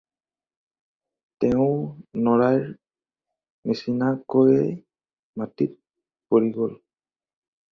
তেৱোঁ নৰাইৰ নিচিনাকৈয়ে মাটিত পৰি গ'ল।